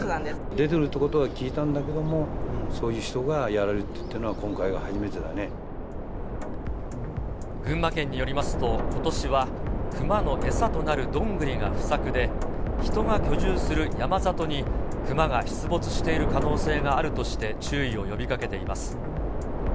出とるってことは聞いてたんだけど、そういう、人がやられるっていう群馬県によりますと、ことしはクマの餌となるドングリが不作で、人が居住する山里に、クマが出没している可能性があるとして注意を呼びかけています。